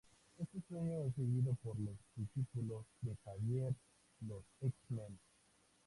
Este sueño es seguido por los discípulos de Xavier, los X-Men.